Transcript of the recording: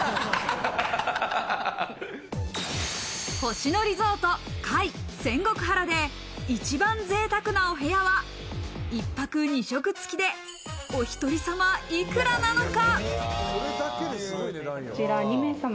「星野リゾート界仙石原」で一番贅沢なお部屋は１泊２食付きでお１人様いくらなのか？